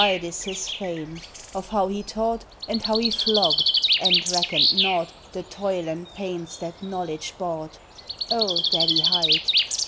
Wide is his fame, of how he taught, And how he flogged, and reckoned naught The toils and pains that knowledge bought Old Daddy Hight.